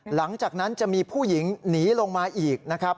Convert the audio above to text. หลังจากนั้นจะมีผู้หญิงหนีลงมาอีกนะครับ